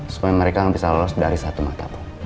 supaya mereka nggak bisa lolos dari satu mata pak